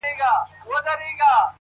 له حورو نه تېرېږم او وتاته درېږم’